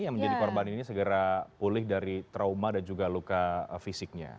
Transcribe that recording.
yang menjadi korban ini segera pulih dari trauma dan juga luka fisiknya